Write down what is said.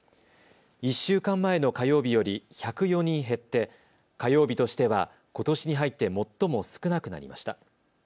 １週間前の火曜日より１０４人減って火曜日としては、ことしに入って最も少なくなりました。